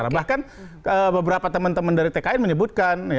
bahkan beberapa teman teman dari tkn menyebutkan